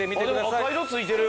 でも赤色ついてる。